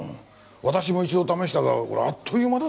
私も一度試したがあっという間だったぞ。